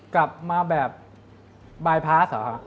กลับมาแบบบายพาสเหรอครับ